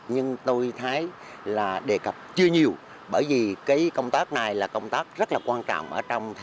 nhưng tôi thấy là đề cập chưa nhiều bởi vì cái công tác này là công tác rất là quan trọng